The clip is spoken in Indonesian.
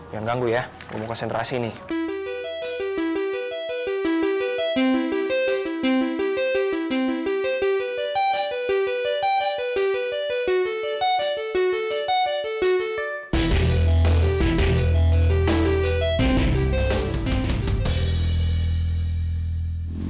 jangan ganggu ya gue mau konsentrasi nih